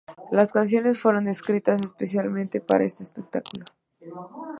Las canciones fueron escritas especialmente para este espectáculo.